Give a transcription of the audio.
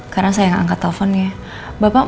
karena saya enggak angkat teleponnya